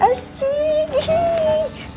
terima kasih papa